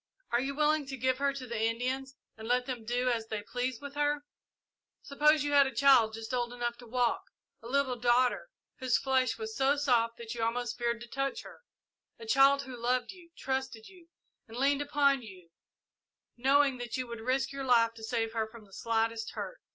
Are you willing to give her to the Indians and let them do as they please with her? Suppose you had a child, just old enough to walk a little daughter, whose flesh was so soft that you almost feared to touch her a child who loved you, trusted you, and leaned upon you, knowing that you would risk your life to save her from the slightest hurt.